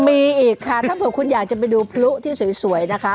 มีอีกค่ะถ้าเผื่อคุณอยากจะไปดูพลุที่สวยนะคะ